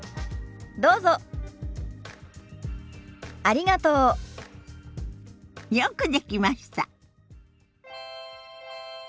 ありがとう。よくできました。